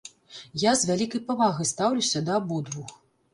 Я з вялікай павагай стаўлюся да абодвух.